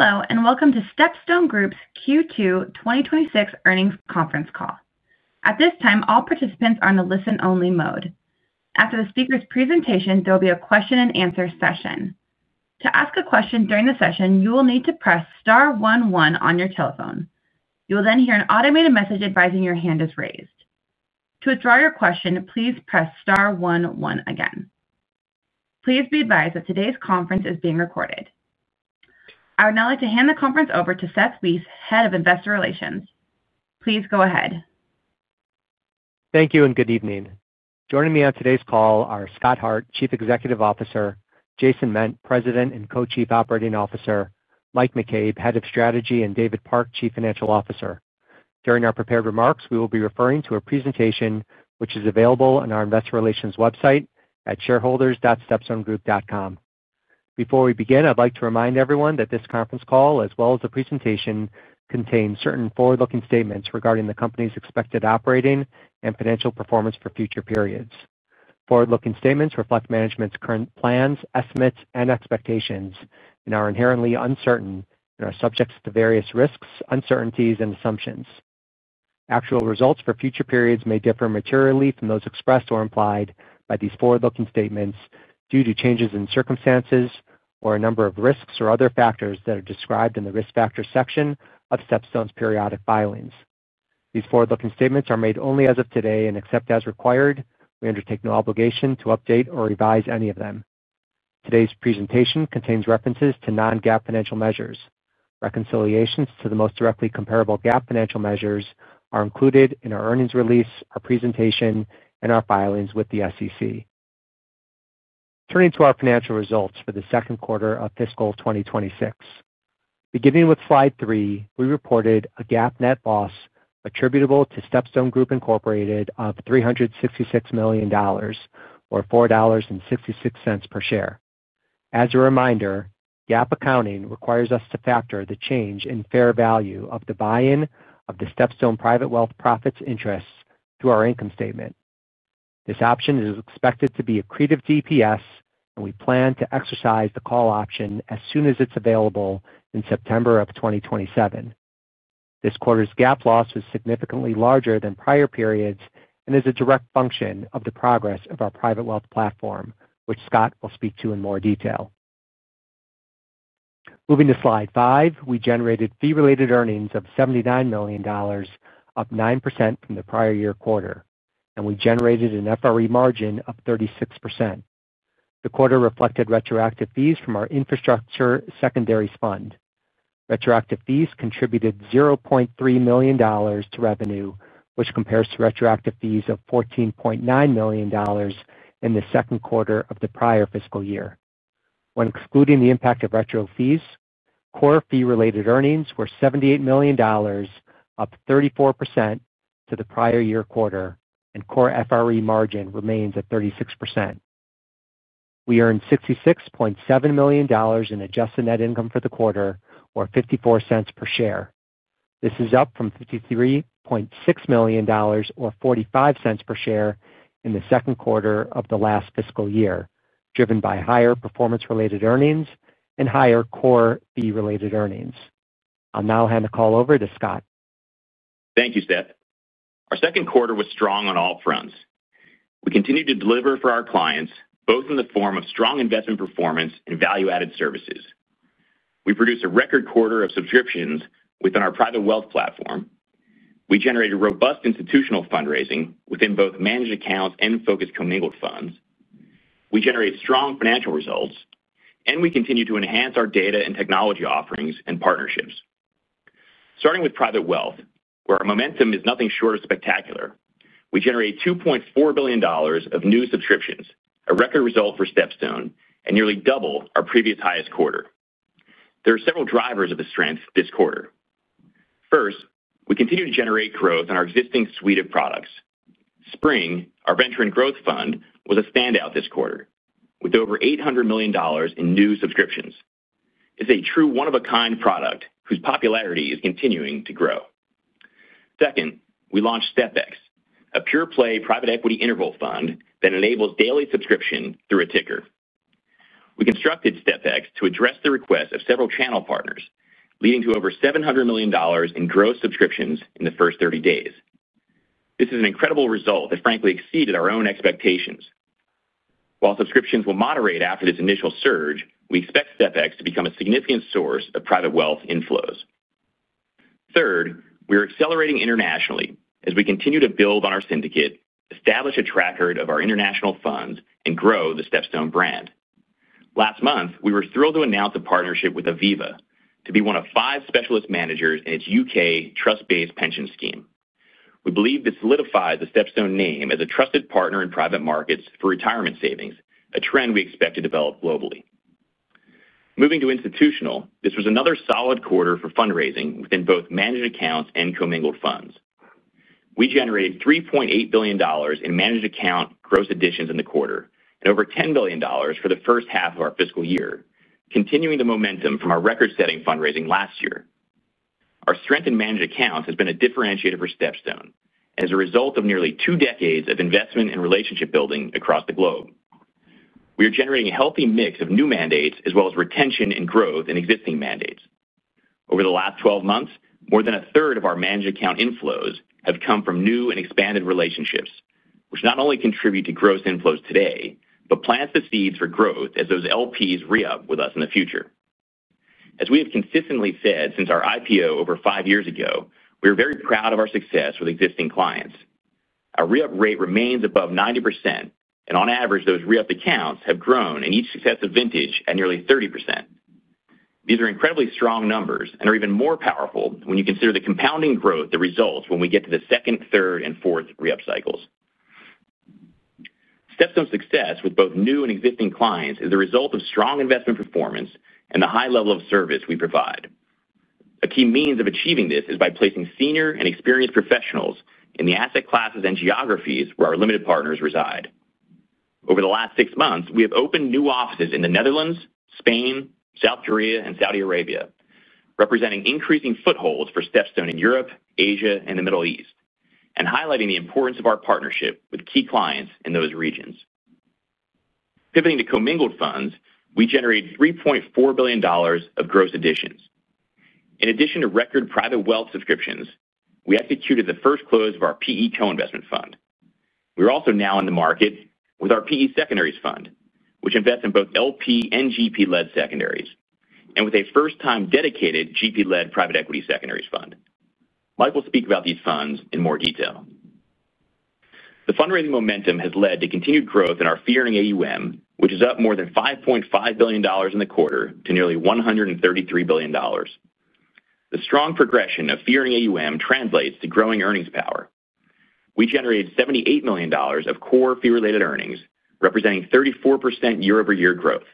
Hello, and welcome to StepStone Group's Q2 2026 earnings conference call. At this time, all participants are in the listen-only mode. After the speaker's presentation, there will be a question-and-answer session. To ask a question during the session, you will need to press Star 11 on your telephone. You will then hear an automated message advising your hand is raised. To withdraw your question, please press Star 11 again. Please be advised that today's conference is being recorded. I would now like to hand the conference over to Seth Weiss, Head of Investor Relations. Please go ahead. Thank you, and good evening. Joining me on today's call are Scott Hart, Chief Executive Officer; Jason Ment, President and Co-Chief Operating Officer; Mike McCabe, Head of Strategy; and David Park, Chief Financial Officer. During our prepared remarks, we will be referring to a presentation which is available on our Investor Relations website at shareholders.stepstonegroup.com. Before we begin, I'd like to remind everyone that this conference call, as well as the presentation, contains certain forward-looking statements regarding the company's expected operating and financial performance for future periods. Forward-looking statements reflect management's current plans, estimates, and expectations, and are inherently uncertain and are subject to various risks, uncertainties, and assumptions. Actual results for future periods may differ materially from those expressed or implied by these forward-looking statements due to changes in circumstances or a number of risks or other factors that are described in the risk factors section of StepStone's periodic filings. These forward-looking statements are made only as of today and except as required. We undertake no obligation to update or revise any of them. Today's presentation contains references to non-GAAP financial measures. Reconciliations to the most directly comparable GAAP financial measures are included in our earnings release, our presentation, and our filings with the SEC. Turning to our financial results for the second quarter of fiscal 2026. Beginning with slide three, we reported a GAAP net loss attributable to StepStone Group of $366 million, or $4.66 per share. As a reminder, GAAP accounting requires us to factor the change in fair value of the buy-in of the StepStone Private Wealth Profits interests to our income statement. This option is expected to be accretive DPS, and we plan to exercise the call option as soon as it's available in September of 2027. This quarter's GAAP loss was significantly larger than prior periods and is a direct function of the progress of our Private Wealth platform, which Scott will speak to in more detail. Moving to slide five, we generated fee-related earnings of $79 million, up 9% from the prior year quarter, and we generated an FRE margin of 36%. The quarter reflected retroactive fees from our infrastructure secondaries fund. Retroactive fees contributed $0.3 million to revenue, which compares to retroactive fees of $14.9 million in the second quarter of the prior fiscal year. When excluding the impact of retroactive fees, core fee-related earnings were $78 million. Up 34% to the prior year quarter, and core FRE margin remains at 36%. We earned $66.7 million in adjusted net income for the quarter, or $0.54 per share. This is up from $53.6 million, or $0.45 per share, in the second quarter of the last fiscal year, driven by higher performance-related earnings and higher core fee-related earnings. I'll now hand the call over to Scott. Thank you, Seth. Our second quarter was strong on all fronts. We continue to deliver for our clients, both in the form of strong investment performance and value-added services. We produced a record quarter of subscriptions within our Private Wealth platform. We generated robust institutional fundraising within both managed accounts and focused commingled funds. We generate strong financial results, and we continue to enhance our data and technology offerings and partnerships. Starting with Private Wealth, where our momentum is nothing short of spectacular, we generate $2.4 billion of new subscriptions, a record result for StepStone, and nearly double our previous highest quarter. There are several drivers of the strength this quarter. First, we continue to generate growth in our existing suite of products. Spring, our Venture and Growth Fund, was a standout this quarter, with over $800 million in new subscriptions. It's a true one-of-a-kind product whose popularity is continuing to grow. Second, we launched StepX, a pure-play private equity interval fund that enables daily subscription through a ticker. We constructed StepX to address the requests of several channel partners, leading to over $700 million in gross subscriptions in the first 30 days. This is an incredible result that frankly exceeded our own expectations. While subscriptions will moderate after this initial surge, we expect StepX to become a significant source of private wealth inflows. Third, we are accelerating internationally as we continue to build on our syndicate, establish a track record of our international funds, and grow the StepStone brand. Last month, we were thrilled to announce a partnership with Aviva to be one of five specialist managers in its U.K. trust-based pension scheme. We believe this solidifies the StepStone name as a trusted partner in private markets for retirement savings, a trend we expect to develop globally. Moving to institutional, this was another solid quarter for fundraising within both managed accounts and commingled funds. We generated $3.8 billion in managed account gross additions in the quarter and over $10 billion for the first half of our fiscal year, continuing the momentum from our record-setting fundraising last year. Our strength in managed accounts has been a differentiator for StepStone as a result of nearly two decades of investment and relationship building across the globe. We are generating a healthy mix of new mandates as well as retention and growth in existing mandates. Over the last 12 months, more than a third of our managed account inflows have come from new and expanded relationships, which not only contribute to gross inflows today but plant the seeds for growth as those LPs re-up with us in the future. As we have consistently said since our IPO over five years ago, we are very proud of our success with existing clients. Our re-up rate remains above 90%, and on average, those re-up accounts have grown in each successive vintage at nearly 30%. These are incredibly strong numbers and are even more powerful when you consider the compounding growth that results when we get to the second, third, and fourth re-up cycles. StepStone's success with both new and existing clients is the result of strong investment performance and the high level of service we provide. A key means of achieving this is by placing senior and experienced professionals in the asset classes and geographies where our limited partners reside. Over the last six months, we have opened new offices in the Netherlands, Spain, South Korea, and Saudi Arabia, representing increasing footholds for StepStone in Europe, Asia, and the Middle East, and highlighting the importance of our partnership with key clients in those regions. Pivoting to commingled funds, we generated $3.4 billion of gross additions. In addition to record private wealth subscriptions, we executed the first close of our PE co-investment fund. We are also now in the market with our PE secondaries fund, which invests in both LP and GP-led secondaries, and with a first-time dedicated GP-led private equity secondaries fund. Mike will speak about these funds in more detail. The fundraising momentum has led to continued growth in our fee-earning AUM, which is up more than $5.5 billion in the quarter to nearly $133 billion. The strong progression of fee-earning AUM translates to growing earnings power. We generated $78 million of core fee-related earnings, representing 34% year-over-year growth.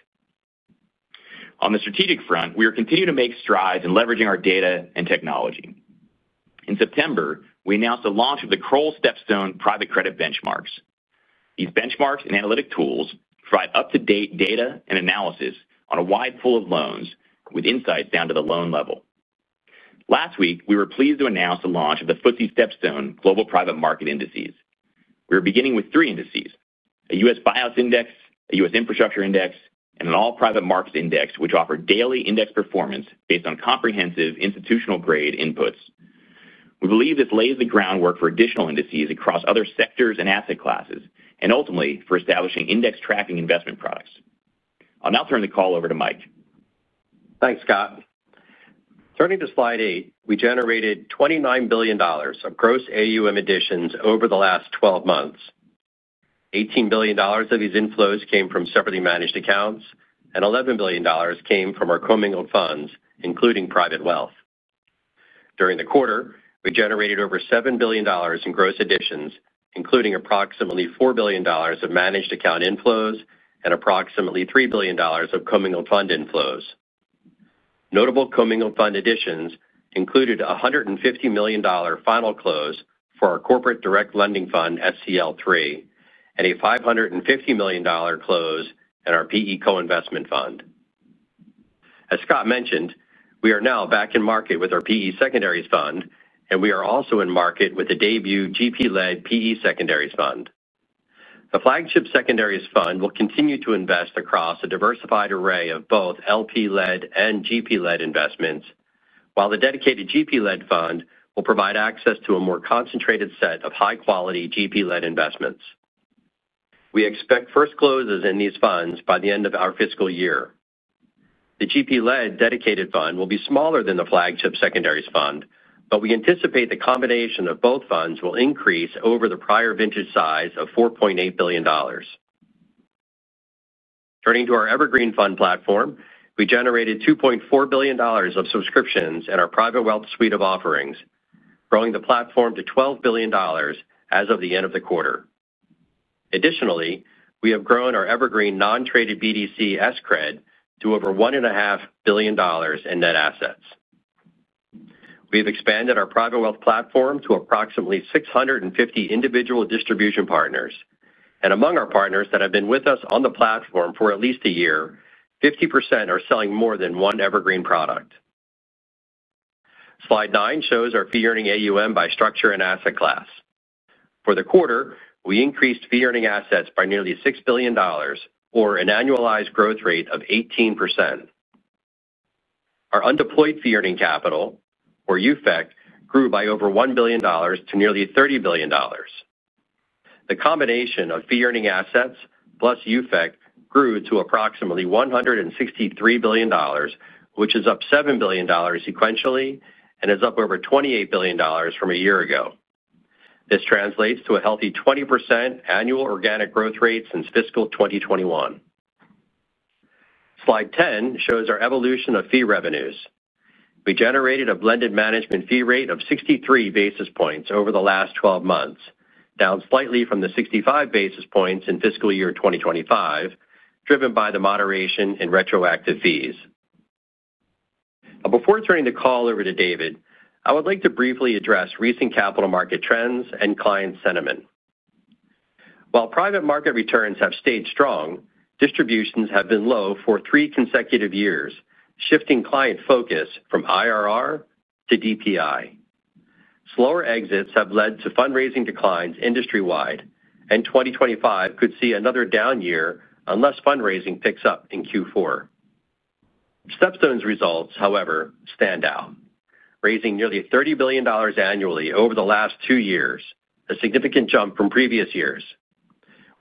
On the strategic front, we are continuing to make strides in leveraging our data and technology. In September, we announced the launch of the Kroll StepStone Private Credit Benchmarks. These benchmarks and analytic tools provide up-to-date data and analysis on a wide pool of loans with insights down to the loan level. Last week, we were pleased to announce the launch of the FTSE StepStone Global Private Market Indices. We are beginning with three indices: a US Bias Index, a US Infrastructure Index, and an All Private Markets Index, which offer daily index performance based on comprehensive institutional-grade inputs. We believe this lays the groundwork for additional indices across other sectors and asset classes, and ultimately for establishing index-tracking investment products. I'll now turn the call over to Mike. Thanks, Scott. Turning to slide eight, we generated $29 billion of gross AUM additions over the last 12 months. $18 billion of these inflows came from separately managed accounts, and $11 billion came from our commingled funds, including private wealth. During the quarter, we generated over $7 billion in gross additions, including approximately $4 billion of managed account inflows and approximately $3 billion of commingled fund inflows. Notable commingled fund additions included a $150 million final close for our corporate direct lending fund, SCL3, and a $550 million close in our PE co-investment fund. As Scott mentioned, we are now back in market with our PE secondaries fund, and we are also in market with the debut GP-led PE secondaries fund. The flagship secondaries fund will continue to invest across a diversified array of both LP-led and GP-led investments, while the dedicated GP-led fund will provide access to a more concentrated set of high-quality GP-led investments. We expect first closes in these funds by the end of our fiscal year. The GP-led dedicated fund will be smaller than the flagship secondaries fund, but we anticipate the combination of both funds will increase over the prior vintage size of $4.8 billion. Turning to our Evergreen Fund platform, we generated $2.4 billion of subscriptions in our Private Wealth suite of offerings, growing the platform to $12 billion as of the end of the quarter. Additionally, we have grown our Evergreen non-traded BDC SCRED to over $1.5 billion in net assets. We have expanded our Private Wealth platform to approximately 650 individual distribution partners. Among our partners that have been with us on the platform for at least a year, 50% are selling more than one Evergreen product. Slide nine shows our fee-earning AUM by structure and asset class. For the quarter, we increased fee-earning assets by nearly $6 billion, or an annualized growth rate of 18%. Our undeployed fee-earning capital, or UFEC, grew by over $1 billion to nearly $30 billion. The combination of fee-earning assets plus UFEC grew to approximately $163 billion, which is up $7 billion sequentially and is up over $28 billion from a year ago. This translates to a healthy 20% annual organic growth rate since fiscal 2021. Slide 10 shows our evolution of fee revenues. We generated a blended management fee rate of 63 basis points over the last 12 months, down slightly from the 65 basis points in fiscal year 2025, driven by the moderation in retroactive fees. Before turning the call over to David, I would like to briefly address recent capital market trends and client sentiment. While private market returns have stayed strong, distributions have been low for three consecutive years, shifting client focus from IRR to DPI. Slower exits have led to fundraising declines industry-wide, and 2025 could see another down year unless fundraising picks up in Q4. StepStone's results, however, stand out, raising nearly $30 billion annually over the last two years, a significant jump from previous years.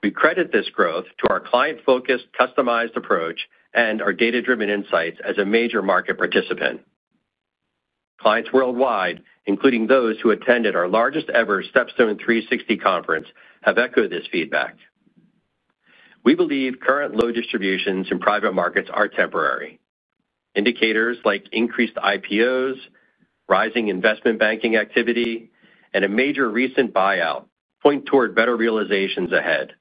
We credit this growth to our client-focused, customized approach and our data-driven insights as a major market participant. Clients worldwide, including those who attended our largest-ever StepStone 360 conference, have echoed this feedback. We believe current low distributions in private markets are temporary. Indicators like increased IPOs, rising investment banking activity, and a major recent buyout point toward better realizations ahead.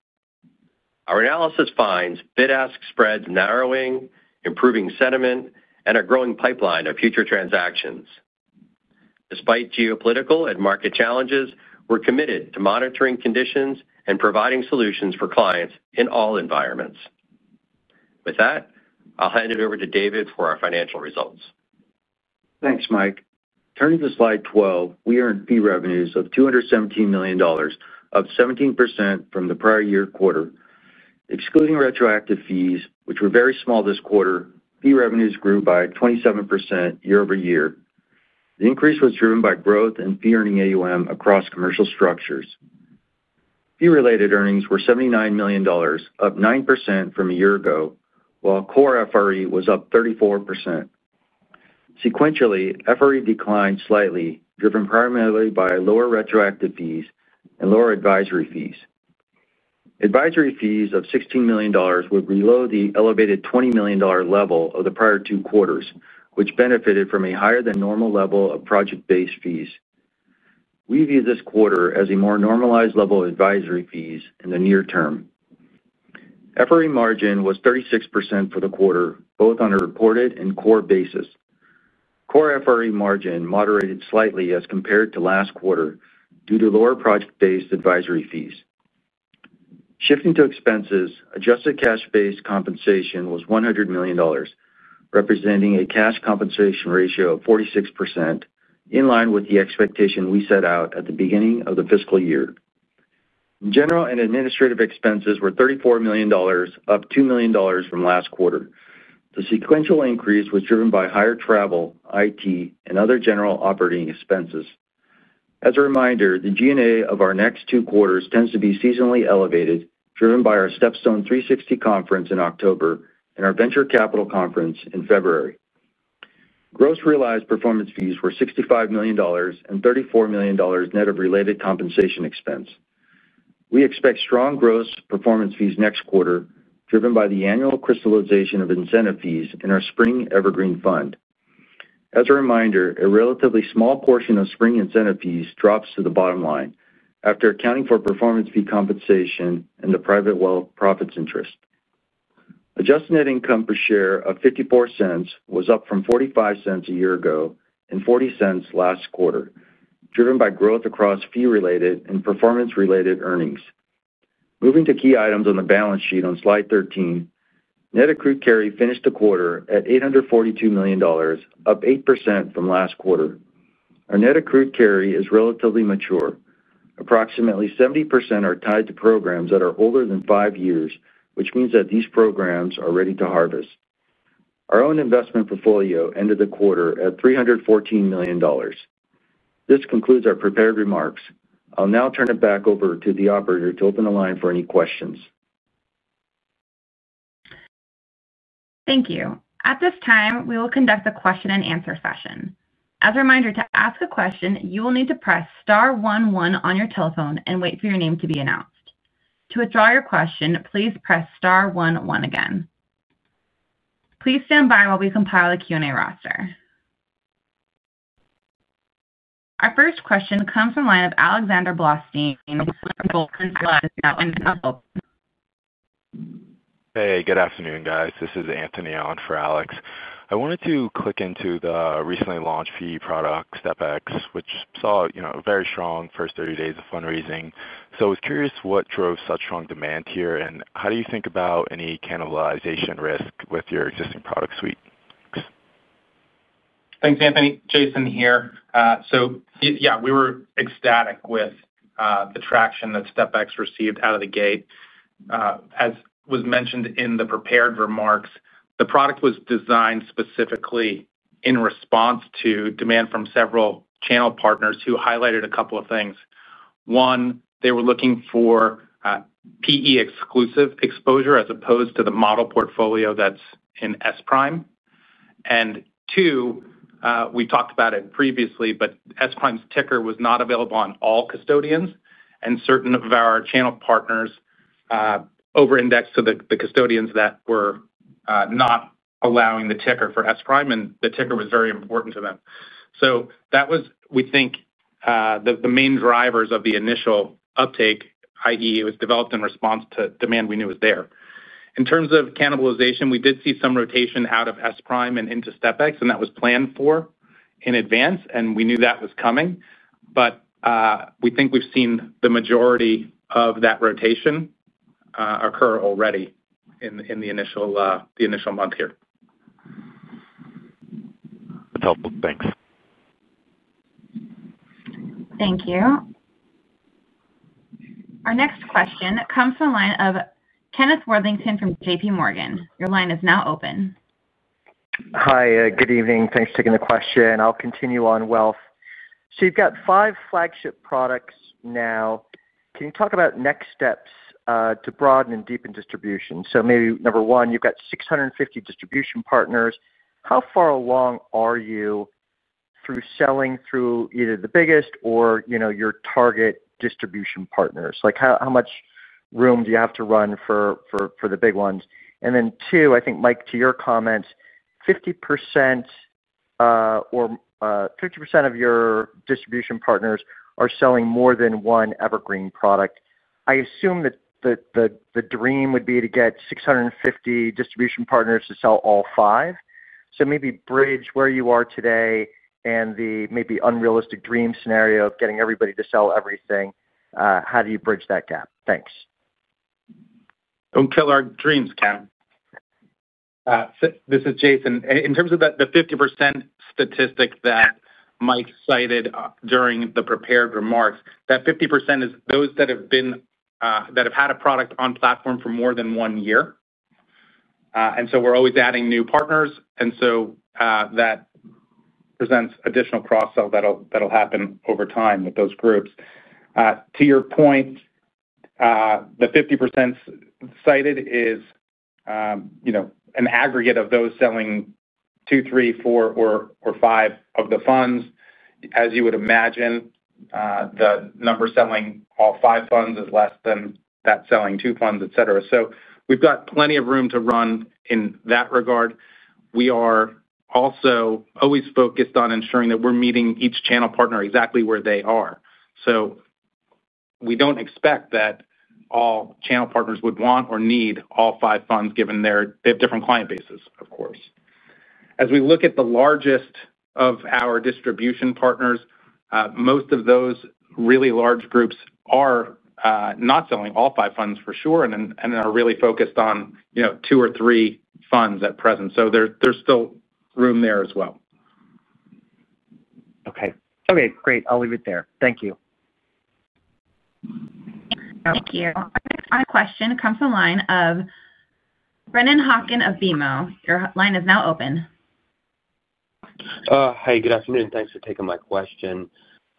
Our analysis finds bid-ask spreads narrowing, improving sentiment, and a growing pipeline of future transactions. Despite geopolitical and market challenges, we're committed to monitoring conditions and providing solutions for clients in all environments. With that, I'll hand it over to David for our financial results. Thanks, Mike. Turning to slide 12, we earned fee revenues of $217 million, up 17% from the prior year quarter. Excluding retroactive fees, which were very small this quarter, fee revenues grew by 27% year-over-year. The increase was driven by growth in fee-earning AUM across commercial structures. Fee-related earnings were $79 million, up 9% from a year ago, while core FRE was up 34%. Sequentially, FRE declined slightly, driven primarily by lower retroactive fees and lower advisory fees. Advisory fees of $16 million would reload the elevated $20 million level of the prior two quarters, which benefited from a higher-than-normal level of project-based fees. We view this quarter as a more normalized level of advisory fees in the near term. FRE margin was 36% for the quarter, both on a reported and core basis. Core FRE margin moderated slightly as compared to last quarter due to lower project-based advisory fees. Shifting to expenses, adjusted cash-based compensation was $100 million, representing a cash compensation ratio of 46%, in line with the expectation we set out at the beginning of the fiscal year. General and administrative expenses were $34 million, up $2 million from last quarter. The sequential increase was driven by higher travel, IT, and other general operating expenses. As a reminder, the G&A of our next two quarters tends to be seasonally elevated, driven by our StepStone 360 conference in October and our venture capital conference in February. Gross realized performance fees were $65 million and $34 million net of related compensation expense. We expect strong gross performance fees next quarter, driven by the annual crystallization of incentive fees in our Spring Evergreen Fund. As a reminder, a relatively small portion of Spring incentive fees drops to the bottom line after accounting for performance fee compensation and the private wealth profits interest. Adjusted net income per share of $0.54 was up from $0.45 a year ago and $0.40 last quarter, driven by growth across fee-related and performance-related earnings. Moving to key items on the balance sheet on slide 13, net accrued carry finished the quarter at $842 million, up 8% from last quarter. Our net accrued carry is relatively mature. Approximately 70% are tied to programs that are older than five years, which means that these programs are ready to harvest. Our own investment portfolio ended the quarter at $314 million. This concludes our prepared remarks. I'll now turn it back over to the operator to open the line for any questions. Thank you. At this time, we will conduct a question-and-answer session. As a reminder, to ask a question, you will need to press star 11 on your telephone and wait for your name to be announced. To withdraw your question, please press star 11 again. Please stand by while we compile the Q&A roster. Our first question comes from the line of Alexander Blossstein. Hey, good afternoon, guys. This is Anthony on for Alex. I wanted to click into the recently launched fee product, StepX, which saw a very strong first 30 days of fundraising. I was curious what drove such strong demand here, and how do you think about any cannibalization risk with your existing product suite? Thanks, Anthony. Jason here. Yeah, we were ecstatic with the traction that StepX received out of the gate. As was mentioned in the prepared remarks, the product was designed specifically in response to demand from several channel partners who highlighted a couple of things. One, they were looking for PE-exclusive exposure as opposed to the model portfolio that is in SPRIME. Two, we talked about it previously, but SPRIME's ticker was not available on all custodians, and certain of our channel partners over-indexed to the custodians that were not allowing the ticker for SPRIME, and the ticker was very important to them. That was, we think, the main driver of the initial uptake, i.e., it was developed in response to demand we knew was there. In terms of cannibalization, we did see some rotation out of SPRIME and into StepX, and that was planned for in advance, and we knew that was coming. We think we've seen the majority of that rotation occur already in the initial month here. That's helpful. Thanks. Thank you. Our next question comes from the line of Kenneth Worthington from JPMorgan. Your line is now open. Hi, good evening. Thanks for taking the question. I'll continue on wealth. You have five flagship products now. Can you talk about next steps to broaden and deepen distribution? Number one, you have 650 distribution partners. How far along are you through selling through either the biggest or your target distribution partners? How much room do you have to run for the big ones? Number two, I think, Mike, to your comments, 50% of your distribution partners are selling more than one Evergreen product. I assume that the dream would be to get 650 distribution partners to sell all five. Maybe bridge where you are today and the maybe unrealistic dream scenario of getting everybody to sell everything. How do you bridge that gap? Thanks. Don't kill our dreams, Ken. This is Jason. In terms of the 50% statistic that Mike cited during the prepared remarks, that 50% is those that have had a product on platform for more than one year. We are always adding new partners, and that presents additional cross-sell that will happen over time with those groups. To your point, the 50% cited is an aggregate of those selling two, three, four, or five of the funds. As you would imagine, the number selling all five funds is less than that selling two funds, etc. We have plenty of room to run in that regard. We are also always focused on ensuring that we are meeting each channel partner exactly where they are. We do not expect that all channel partners would want or need all five funds, given they have different client bases, of course. As we look at the largest of our distribution partners, most of those really large groups are not selling all five funds for sure and are really focused on two or three funds at present. There is still room there as well. Okay. Okay. Great. I'll leave it there. Thank you. Thank you. Our next question comes from the line of Brennan Hocken of Vimo. Your line is now open. Hi, good afternoon. Thanks for taking my question.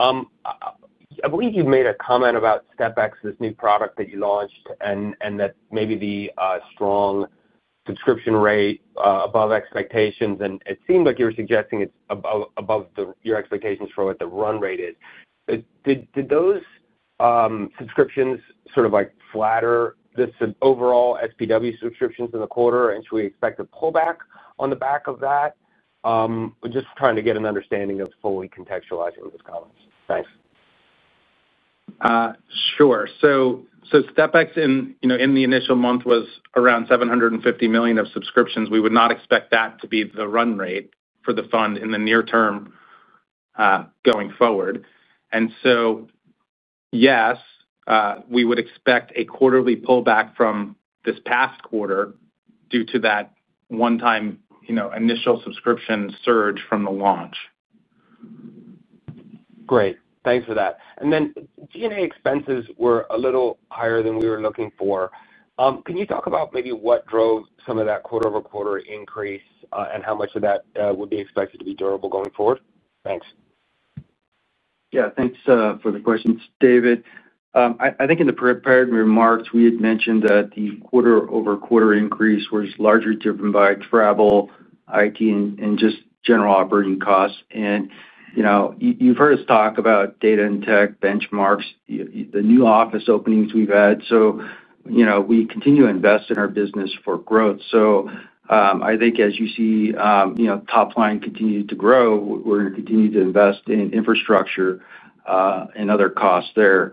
I believe you've made a comment about StepX's new product that you launched and that maybe the strong subscription rate above expectations. It seemed like you were suggesting it's above your expectations for what the run rate is. Did those subscriptions sort of flatter the overall SPW subscriptions in the quarter, and should we expect a pullback on the back of that? Just trying to get an understanding of fully contextualizing those comments. Thanks. Sure. StepX in the initial month was around $750 million of subscriptions. We would not expect that to be the run rate for the fund in the near term. Going forward, yes, we would expect a quarterly pullback from this past quarter due to that one-time initial subscription surge from the launch. Great. Thanks for that. G&A expenses were a little higher than we were looking for. Can you talk about maybe what drove some of that quarter-over-quarter increase and how much of that would be expected to be durable going forward? Thanks. Yeah. Thanks for the questions, David. I think in the prepared remarks, we had mentioned that the quarter-over-quarter increase was largely driven by travel, IT, and just general operating costs. You have heard us talk about data and tech benchmarks, the new office openings we have had. We continue to invest in our business for growth. I think as you see top line continue to grow, we are going to continue to invest in infrastructure and other costs there.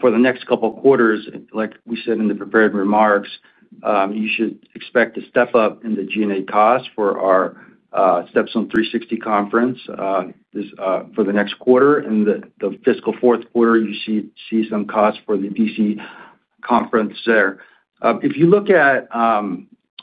For the next couple of quarters, like we said in the prepared remarks, you should expect a step-up in the G&A cost for our StepStone 360 conference for the next quarter. In the fiscal fourth quarter, you see some costs for the DC conference there. If you look at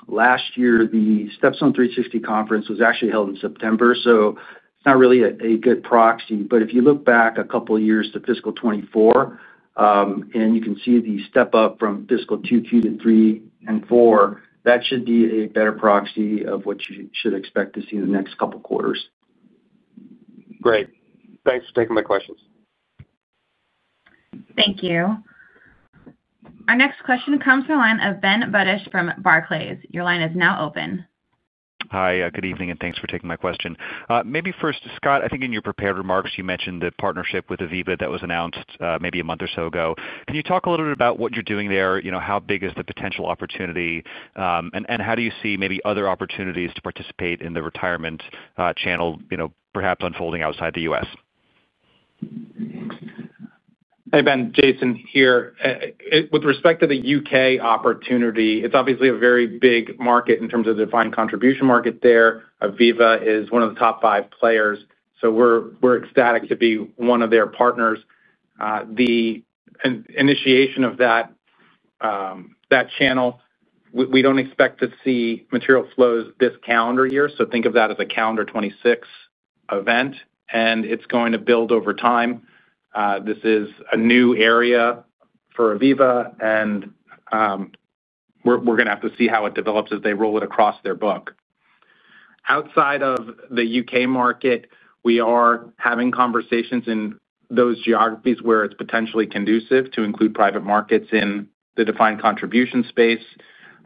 last year, the StepStone 360 conference was actually held in September, so it is not really a good proxy. If you look back a couple of years to fiscal 2024, and you can see the step-up from fiscal 2Q to 3 and 4, that should be a better proxy of what you should expect to see in the next couple of quarters. Great. Thanks for taking my questions. Thank you. Our next question comes from the line of Ben Buddish from Barclays. Your line is now open. Hi, good evening, and thanks for taking my question. Maybe first, Scott, I think in your prepared remarks, you mentioned the partnership with Aviva that was announced maybe a month or so ago. Can you talk a little bit about what you're doing there, how big is the potential opportunity, and how do you see maybe other opportunities to participate in the retirement channel perhaps unfolding outside the US? Hey, Ben. Jason here. With respect to the U.K. opportunity, it's obviously a very big market in terms of the defined contribution market there. Aviva is one of the top five players, so we're ecstatic to be one of their partners. The initiation of that channel, we don't expect to see material flows this calendar year, so think of that as a calendar 2026 event, and it's going to build over time. This is a new area for Aviva, and we're going to have to see how it develops as they roll it across their book. Outside of the U.K. market, we are having conversations in those geographies where it's potentially conducive to include private markets in the defined contribution space.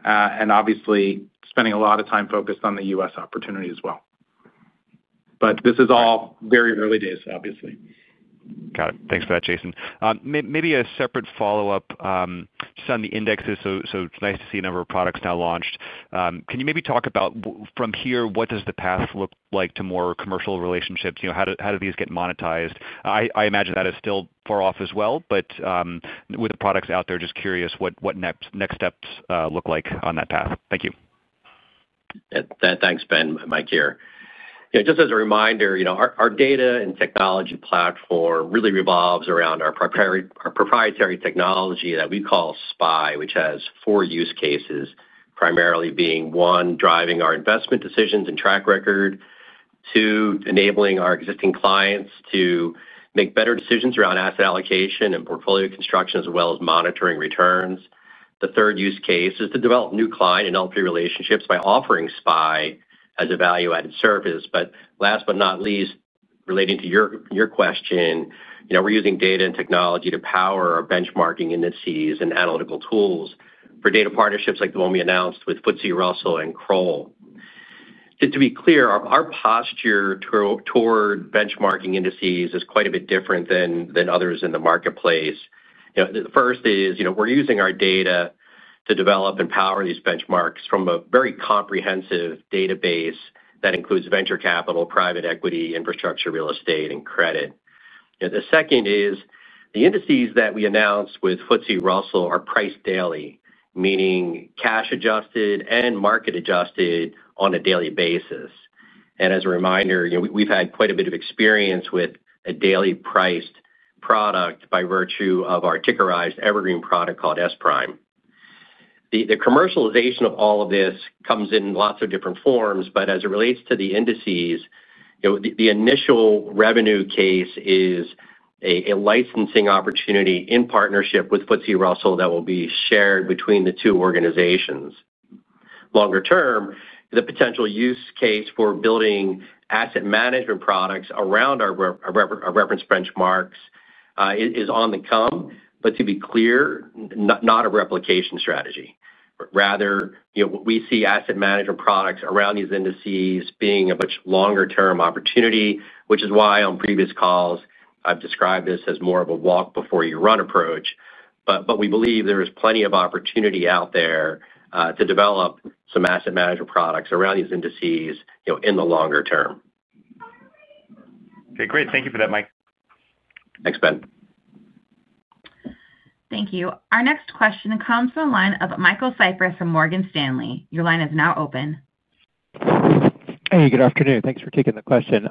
Obviously, spending a lot of time focused on the U.S. opportunity as well. This is all very early days, obviously. Got it. Thanks for that, Jason. Maybe a separate follow-up. Just on the indexes, so it's nice to see a number of products now launched. Can you maybe talk about from here, what does the path look like to more commercial relationships? How do these get monetized? I imagine that is still far off as well, but. With the products out there, just curious what next steps look like on that path. Thank you. Thanks, Ben, Mike here. Just as a reminder, our data and technology platform really revolves around our proprietary technology that we call SPI, which has four use cases, primarily being one, driving our investment decisions and track record. Two, enabling our existing clients to make better decisions around asset allocation and portfolio construction, as well as monitoring returns. The third use case is to develop new client and LP relationships by offering SPI as a value-added service. Last but not least, relating to your question, we're using data and technology to power our benchmarking indices and analytical tools for data partnerships like the one we announced with FTSE Russell and Kroll. Just to be clear, our posture toward benchmarking indices is quite a bit different than others in the marketplace. The first is we're using our data to develop and power these benchmarks from a very comprehensive database that includes venture capital, private equity, infrastructure, real estate, and credit. The second is the indices that we announced with FTSE Russell are priced daily, meaning cash-adjusted and market-adjusted on a daily basis. As a reminder, we've had quite a bit of experience with a daily-priced product by virtue of our tickerized Evergreen product called SPRIME. The commercialization of all of this comes in lots of different forms, but as it relates to the indices, the initial revenue case is a licensing opportunity in partnership with FTSE Russell that will be shared between the two organizations. Longer term, the potential use case for building asset management products around our reference benchmarks is on the come, but to be clear, not a replication strategy. Rather, we see asset management products around these indices being a much longer-term opportunity, which is why on previous calls, I've described this as more of a walk-before-you-run approach. We believe there is plenty of opportunity out there to develop some asset management products around these indices in the longer term. Okay. Great. Thank you for that, Mike. Thanks, Ben. Thank you. Our next question comes from the line of Michael Cypress from Morgan Stanley. Your line is now open. Hey, good afternoon. Thanks for taking the question.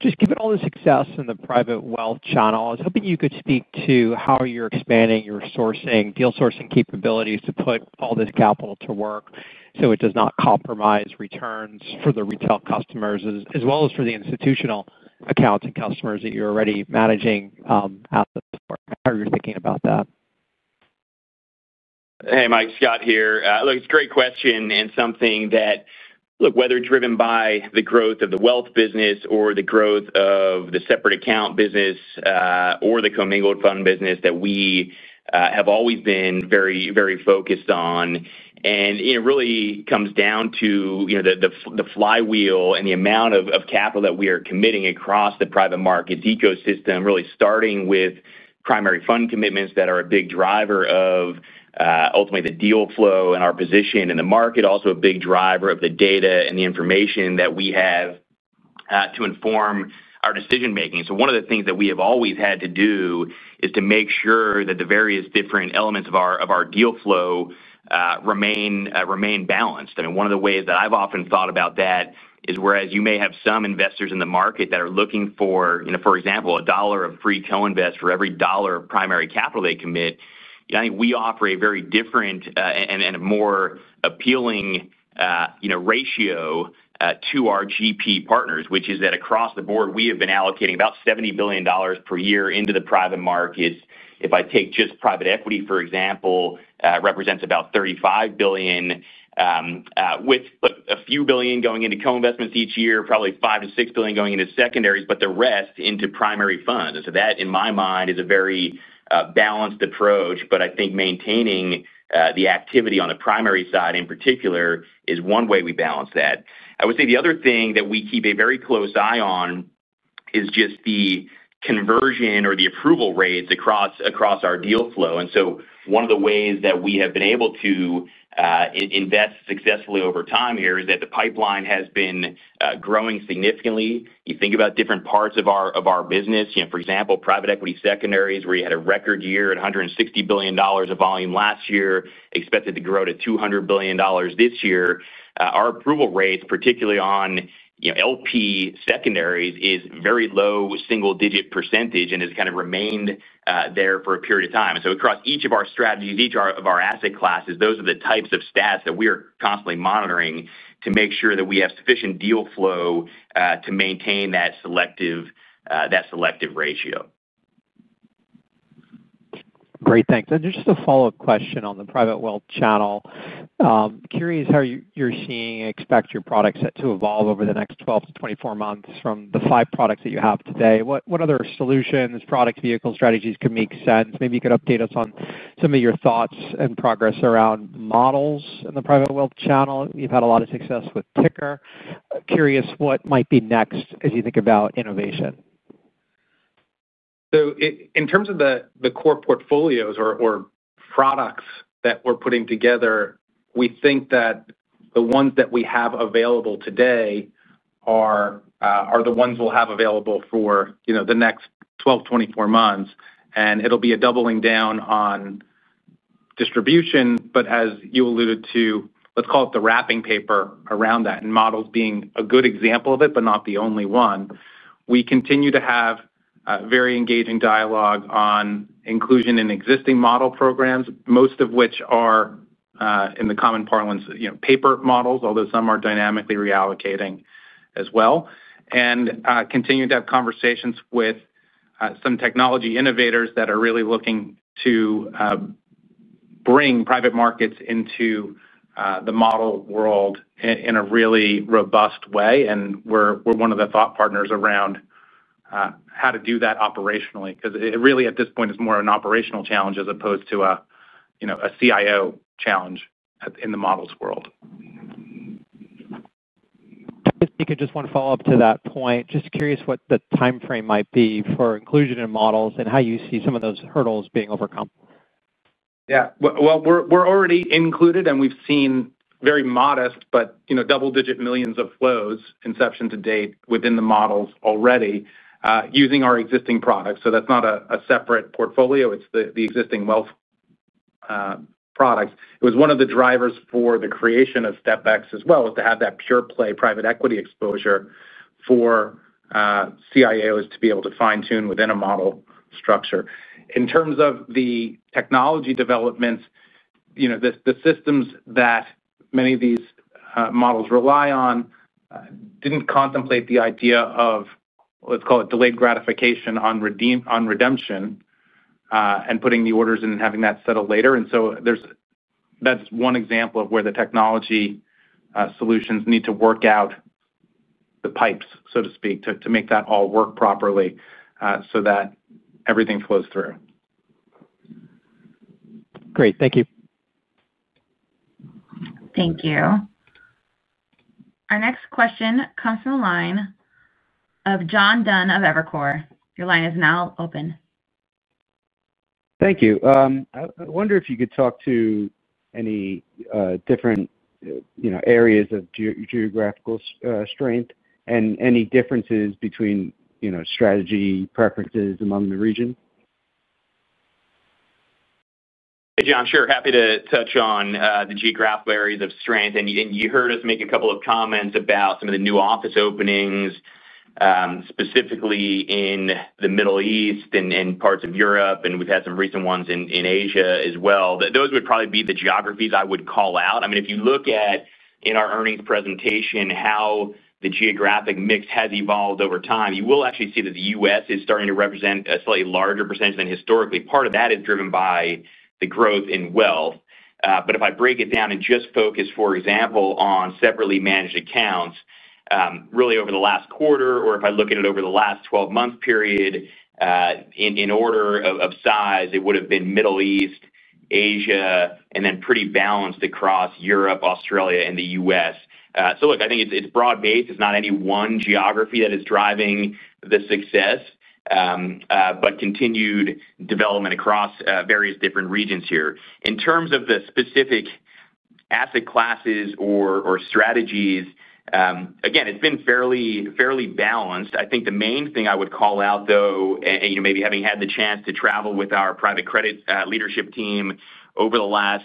Just given all the success in the private wealth channel, I was hoping you could speak to how you're expanding your sourcing, deal-sourcing capabilities to put all this capital to work so it does not compromise returns for the retail customers as well as for the institutional accounts and customers that you're already managing. How are you thinking about that? Hey, Mike, Scott here. Look, it's a great question and something that, look, whether driven by the growth of the wealth business or the growth of the separate account business or the commingled fund business that we have always been very, very focused on. It really comes down to the flywheel and the amount of capital that we are committing across the private markets ecosystem, really starting with primary fund commitments that are a big driver of ultimately the deal flow and our position in the market, also a big driver of the data and the information that we have to inform our decision-making. One of the things that we have always had to do is to make sure that the various different elements of our deal flow remain balanced. I mean, one of the ways that I've often thought about that is whereas you may have some investors in the market that are looking for, for example, a dollar of free co-invest for every dollar of primary capital they commit, I think we offer a very different, and a more appealing, ratio to our GP partners, which is that across the board, we have been allocating about $70 billion per year into the private markets. If I take just private equity, for example, it represents about $35 billion, with a few billion going into co-investments each year, probably $5-$6 billion going into secondaries, but the rest into primary funds. That, in my mind, is a very balanced approach, but I think maintaining the activity on the primary side in particular is one way we balance that. I would say the other thing that we keep a very close eye on is just the conversion or the approval rates across our deal flow. One of the ways that we have been able to invest successfully over time here is that the pipeline has been growing significantly. You think about different parts of our business. For example, private equity secondaries, where you had a record year at $160 billion of volume last year, expected to grow to $200 billion this year. Our approval rates, particularly on LP secondaries, is very low, single-digit % and has kind of remained there for a period of time. Across each of our strategies, each of our asset classes, those are the types of stats that we are constantly monitoring to make sure that we have sufficient deal flow to maintain that selective ratio. Great. Thanks. Just a follow-up question on the private wealth channel. Curious how you're seeing and expect your products to evolve over the next 12 to 24 months from the five products that you have today. What other solutions, products, vehicle strategies could make sense? Maybe you could update us on some of your thoughts and progress around models in the private wealth channel. You've had a lot of success with Ticker. Curious what might be next as you think about innovation. In terms of the core portfolios or products that we're putting together, we think that the ones that we have available today are the ones we'll have available for the next 12 to 24 months. It'll be a doubling down on distribution, but as you alluded to, let's call it the wrapping paper around that and models being a good example of it, but not the only one. We continue to have very engaging dialogue on inclusion in existing model programs, most of which are, in the common parlance, paper models, although some are dynamically reallocating as well. We continue to have conversations with some technology innovators that are really looking to bring private markets into the model world in a really robust way. We're one of the thought partners around. How to do that operationally because it really, at this point, is more of an operational challenge as opposed to a CIO challenge in the models world. If you could just want to follow up to that point, just curious what the timeframe might be for inclusion in models and how you see some of those hurdles being overcome. Yeah. We're already included, and we've seen very modest but double-digit millions of flows inception to date within the models already using our existing products. That's not a separate portfolio. It's the existing wealth products. It was one of the drivers for the creation of StepX as well, was to have that pure play private equity exposure for CIOs to be able to fine-tune within a model structure. In terms of the technology developments, the systems that many of these models rely on did not contemplate the idea of, let's call it, delayed gratification on redemption and putting the orders in and having that settle later. That's one example of where the technology solutions need to work out the pipes, so to speak, to make that all work properly so that everything flows through. Great. Thank you. Thank you. Our next question comes from the line of John Dunn of Evercore. Your line is now open. Thank you. I wonder if you could talk to any different areas of geographical strength and any differences between strategy preferences among the region? Hey, John, sure. Happy to touch on the geographical areas of strength. You heard us make a couple of comments about some of the new office openings, specifically in the Middle East and parts of Europe, and we've had some recent ones in Asia as well. Those would probably be the geographies I would call out. I mean, if you look at in our earnings presentation how the geographic mix has evolved over time, you will actually see that the US is starting to represent a slightly larger percentage than historically. Part of that is driven by the growth in wealth. If I break it down and just focus, for example, on separately managed accounts, really over the last quarter or if I look at it over the last 12-month period. In order of size, it would have been Middle East, Asia, and then pretty balanced across Europe, Australia, and the US. I think it's broad-based. It's not any one geography that is driving the success. Continued development across various different regions here. In terms of the specific asset classes or strategies, again, it's been fairly balanced. I think the main thing I would call out, though, and maybe having had the chance to travel with our private credit leadership team over the last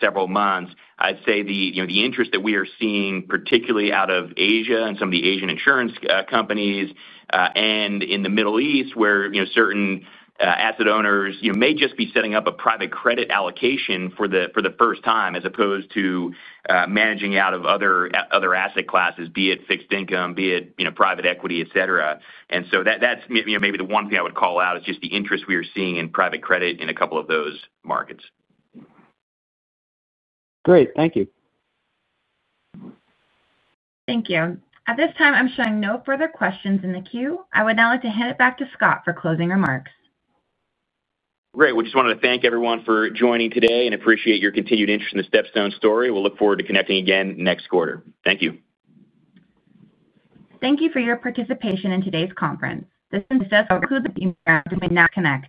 several months, I'd say the interest that we are seeing, particularly out of Asia and some of the Asian insurance companies and in the Middle East, where certain asset owners may just be setting up a private credit allocation for the first time as opposed to managing out of other asset classes, be it fixed income, be it private equity, etc. That is maybe the one thing I would call out is just the interest we are seeing in private credit in a couple of those markets. Great. Thank you. Thank you. At this time, I'm showing no further questions in the queue. I would now like to hand it back to Scott for closing remarks. Great. We just wanted to thank everyone for joining today and appreciate your continued interest in the StepStone story. We'll look forward to connecting again next quarter. Thank you. Thank you for your participation in today's conference. This does conclude the email after we now connect.